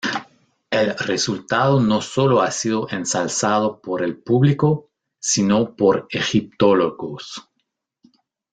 El resultado no sólo ha sido ensalzado por el público, sino por egiptólogos.